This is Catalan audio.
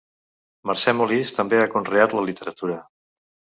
Mercè Molist també ha conreat la literatura.